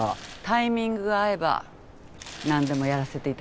タイミングが合えばなんでもやらせて頂きます。